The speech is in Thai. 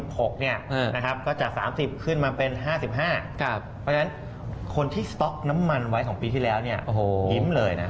เพราะฉะนั้นคนที่ซอครับน้ำมันไว้๒ปีที่แล้วนี่ยิ่มเลย